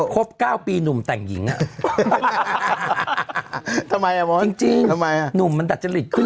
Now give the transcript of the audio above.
ครบ๙ปีหนุ่มแต่งหญิงอ่ะทำไมมันจริงหนุ่มมันดัดจริตขึ้น